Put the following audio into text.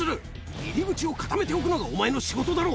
入り口を固めておくのがお前の仕事だろ。